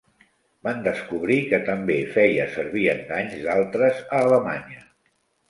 Van descobrir que també feia servir enganys d'altres a Alemanya.